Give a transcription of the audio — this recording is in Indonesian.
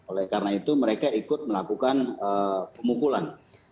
oleh karena itu mereka ikut melakukan pemukulan